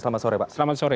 selamat sore pak